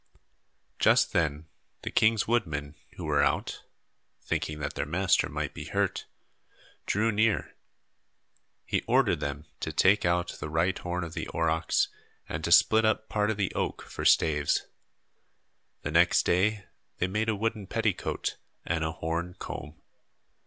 Just then, the king's woodmen, who were out thinking their master might be hurt drew near. He ordered them to take out the right horn of the aurochs and to split up part of the oak for slaves. The next day, they made a wooden petticoat and a horn comb.